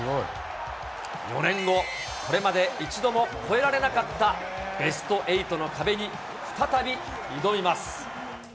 ４年後、これまで一度も超えられなかったベスト８の壁に再び挑みます。